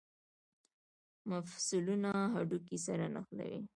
مفصلونه هډوکي سره نښلوي